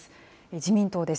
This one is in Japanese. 自民党です。